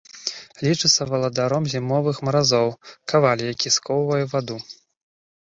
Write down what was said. Лічыцца валадаром зімовых маразоў, каваль, які скоўвае ваду.